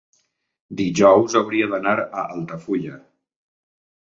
dijous hauria d'anar a Altafulla.